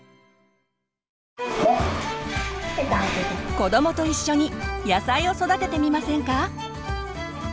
子どもと一緒に野菜を育ててみませんか？